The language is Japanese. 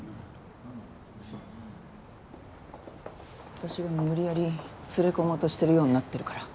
私が無理やり連れ込もうとしてるようになってるから。